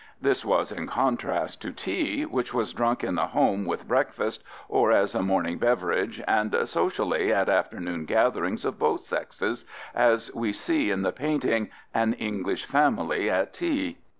This was in contrast to tea, which was drunk in the home with breakfast or as a morning beverage and socially at afternoon gatherings of both sexes, as we see in the painting An English Family at Tea (frontispiece).